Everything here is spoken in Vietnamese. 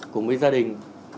cùng với gia đình